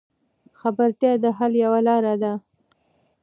خبرتیا د حل یوه لار ده.